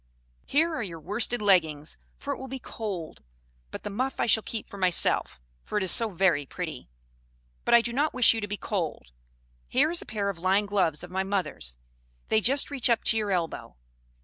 "Here are your worsted leggins, for it will be cold; but the muff I shall keep for myself, for it is so very pretty. But I do not wish you to be cold. Here is a pair of lined gloves of my mother's; they just reach up to your elbow.